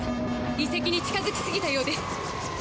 遺跡に近づきすぎたようです！